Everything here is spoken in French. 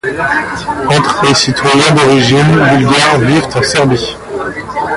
Entre et citoyens d'origine bulgare vivent en Serbie.